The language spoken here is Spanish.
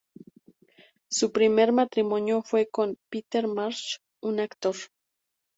Su primer matrimonio fue con Peter Marsh, un actor.